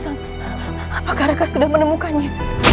apakah raka sudah menemukannya